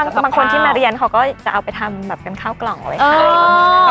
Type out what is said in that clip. ก็บางคนที่มาเรียนเขาก็จะเอาไปทำแบบเป็นข้าวกล่องไว้ค่ะ